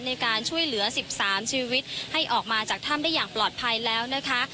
ในการช่วยเหลือ๑๓ชีวิตให้ออกมาจากถ้ำได้อย่างปลอดภัยแล้วนะคะ